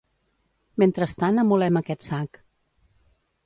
Mentrestant amolem aquest sac.